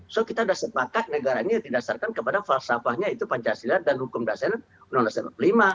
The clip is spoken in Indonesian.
jadi kita sudah sepakat negaranya didasarkan kepada falsafahnya itu pancasila dan hukum dasarnya nonasa